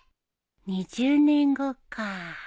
２０年後か